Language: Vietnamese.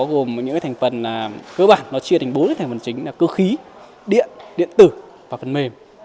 gồm những thành phần cơ bản nó chia thành bốn cái thành phần chính là cơ khí điện điện tử và phần mềm